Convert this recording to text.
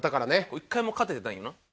１回も勝ててないんよな。